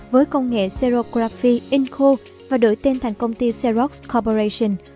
với công nghệ serigraphic inco và đổi tên thành công ty xerox corporation